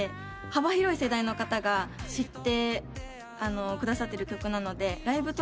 幅広い世代の方が知ってくださってる曲なのでライブとかやっていても